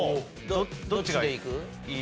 どっちでいく？